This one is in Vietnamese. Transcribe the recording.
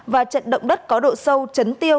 và trận động đất có độ sâu trấn tiêu